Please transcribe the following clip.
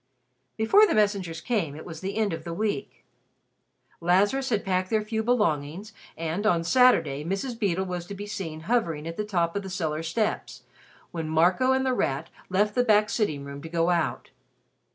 Before the messengers came, it was the end of the week. Lazarus had packed their few belongings, and on Saturday Mrs. Beedle was to be seen hovering at the top of the cellar steps, when Marco and The Rat left the back sitting room to go out.